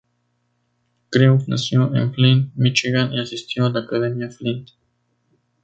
Crews nació en Flint, Michigan, y asistió a la Academia Flint.